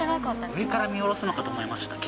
上から見下ろすのかと思いました、